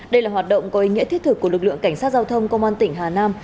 đây là hoạt động có ý nghĩa thiết thực của lực lượng cảnh sát giao thông công an tỉnh hà nam